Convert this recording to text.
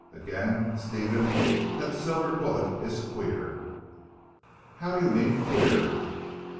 Again Stephen, that silver bullet is queer." "How do you mean queer?"